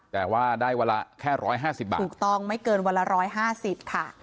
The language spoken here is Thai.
แต่ว่าได้เวลาแค่๑๕๐บาทถูกต้องไม่เกินเวลา๑๕๐บาทค่ะ